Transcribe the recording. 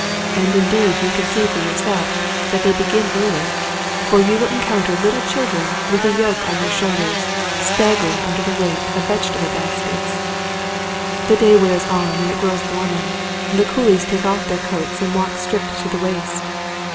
And indeed you can see for yourself that they begin early, for you will en counter little children with a yoke on their shoul ders staggering under the weight of vegetable baskets. The day wears on and it grows warmer. The coolies take off their coats and walk stripped to the waist.